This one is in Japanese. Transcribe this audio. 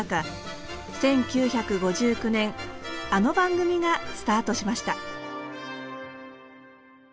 １９５９年あの番組がスタートしました。